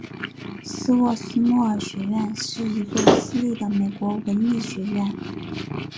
斯沃斯莫尔学院是一所私立的美国文理学院。